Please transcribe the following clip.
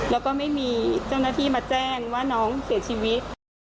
แล้วก็ไม่มีเจ้าหน้าที่มาแจ้งว่าน้องเสียชีวิต